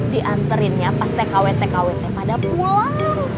dianterin ya pas tkw tkw teh pada pulang